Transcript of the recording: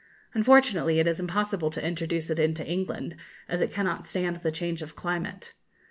Unfortunately, it is impossible to introduce it into England, as it cannot stand the change of climate.